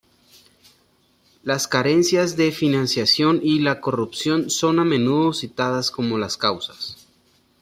La carencia de financiación y la corrupción son a menudo citadas como las causas.